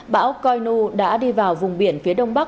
bão coi nu đã đi vào vùng biển phía đông bắc